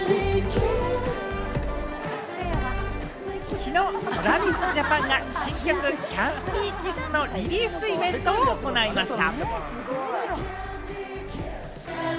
きのうＴｒａｖｉｓＪａｐａｎが新曲『ＣａｎｄｙＫｉｓｓ』のリリースイベントを行いました。